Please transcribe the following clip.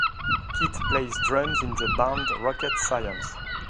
Kit plays drums in the band Rocket Science.